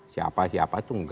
siapa siapa itu enggak